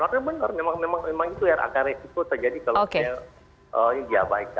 tapi benar memang itu ya akan resiko terjadi kalau dia diabaikan